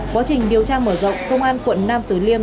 quá trình điều tra mở rộng công an quận nam tử liêm